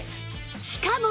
しかも